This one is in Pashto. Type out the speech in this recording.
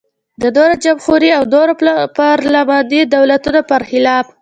د نورو جمهوري او نورو پارلماني دولتونو پرخلاف.